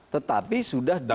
tetapi sudah di